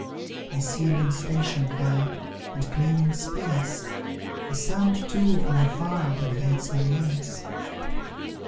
I see men station'd there, and gleaming spears; A sound, too, from afar, invades my ears.